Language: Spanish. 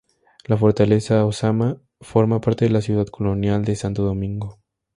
La Fortaleza Ozama forma parte de la Ciudad Colonial de Santo Domingo.